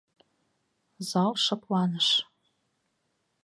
Зал шыпланыш.